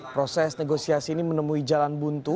proses negosiasi ini menemui jalan buntu